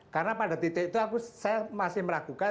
karena pada titik itu saya masih meragukan